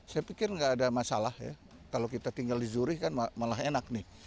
saya pikir nggak ada masalah ya kalau kita tinggal di zuri kan malah enak nih